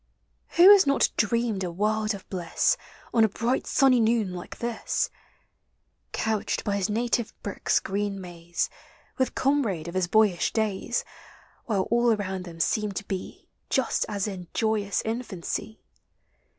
Who has not dreamed a world of bliss On a bright sunny noon like this, Couched by his native brook's green maze ; With comrade of his boyish days, While all around them seemed to be Just as in iovous infancy?